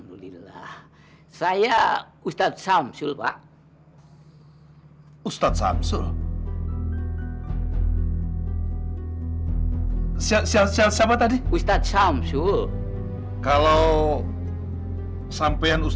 jadi saya mutusin mencabut gugatan saya